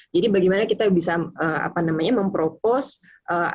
jadi bagaimana kita bisa apa namanya mempropos upskillnya